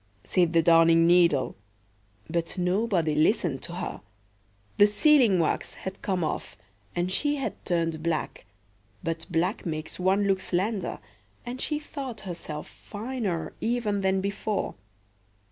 said the Darning needle. But nobody listened to her. The sealing wax had come off, and she had turned black; but black makes one look slender, and she thought herself finer even than before.